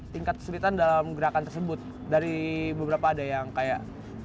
tingkat kesulitan dalam gerakan tersebut dari beberapa ada yang kayak